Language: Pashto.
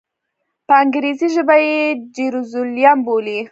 په انګریزي ژبه یې جیروزلېم بولي.